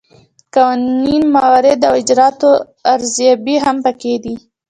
قانوني موارد او د اجرااتو ارزیابي هم پکې دي.